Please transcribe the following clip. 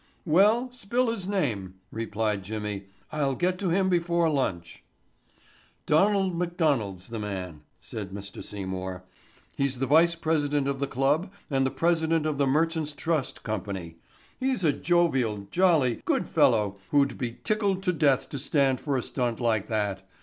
"Well, spill his name," replied Jimmy. "I'll get to him before lunch." "Donald McDonald's the man," said Mr. Seymour. "He's the vice president of the club and the president of the Merchant's Trust Company. He's a jovial, jolly, good fellow who'd be tickled to death to stand for a stunt like that.